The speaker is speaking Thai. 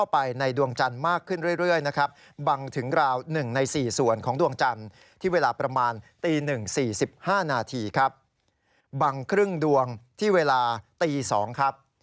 บางครึ่งดวงที่เวลาตี๒ครับ